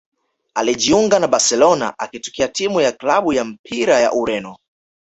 Alijiunga na Barcelona akitokea timu ya klabu ya mpira ya Ureno